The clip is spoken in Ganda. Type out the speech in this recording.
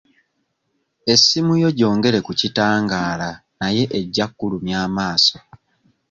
Essimu yo gyongere ku kitangaala naye ejja kkulumya amaaso.